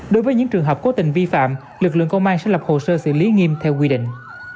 đối với những trường hợp cố tình vi phạm lực lượng công an sẽ lập hồ sơ xử lý nghiêm theo quy định